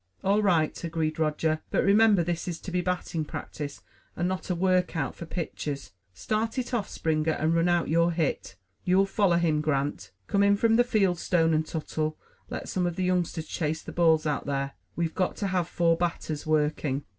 "All right," agreed Roger, "but remember this is to be batting practice, and not a work out for pitchers. Start it off, Springer, and run out your hit. You'll follow him. Grant. Come in from the field, Stone and Tuttle. Let some of the youngsters chase the balls out there. We've got to have four batters working."